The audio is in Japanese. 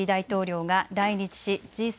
ウクライナのゼレンスキー大統領が来日しＧ７